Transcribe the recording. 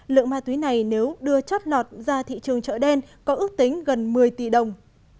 lượng ma túy này nếu đưa chót lọt ra thị trường chợ đen có ước tính gần một mươi tỷ đồng